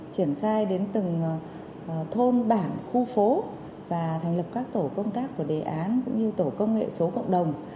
triển khai đến từng thôn bản khu phố và thành lập các tổ công tác của đề án cũng như tổ công nghệ số cộng đồng